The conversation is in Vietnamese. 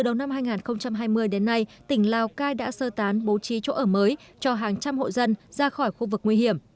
từ đầu năm hai nghìn hai mươi đến nay tỉnh lào cai đã sơ tán bố trí chỗ ở mới cho hàng trăm hộ dân ra khỏi khu vực nguy hiểm